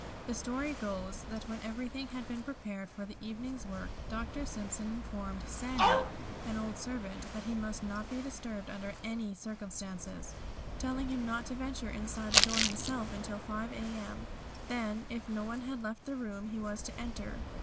The story goes that when everything had been prepared for the evening's work, Dr. Simpson informed "Sandy," an old servant, that he must not be disturbed under any circumstances, telling him not to venture inside the door himself until 5 a.m. Then, if no one had left the room, he was to enter.